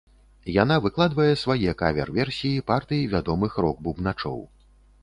Яна выкладвае свае кавер-версіі партый вядомых рок-бубначоў.